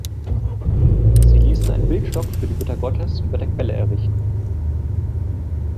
Sie ließen einen Bildstock für die Mutter Gottes über der Quelle errichten.